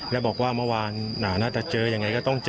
แล้วบอกว่าเมื่อวานน่าจะเจอทุกอย่างไทยก็ต้องเจอ